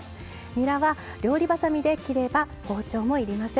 にらは料理ばさみで切れば包丁も要りません。